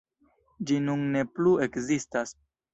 Ĝi nun ne plu ekzistas.